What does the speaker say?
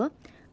công an lâm đồng